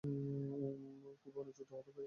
খুবই অনুচিত হবে এটা।